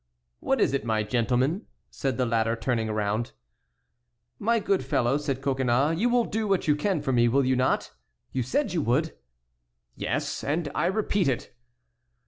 "What is it, my gentleman?" said the latter, turning around. "My good fellow," said Coconnas, "you will do what you can for me, will you not? You said you would." "Yes, and I repeat it."